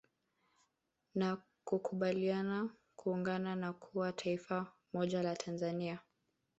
Na kukubaliana kuungana na kuwa taifa moja la Tanzania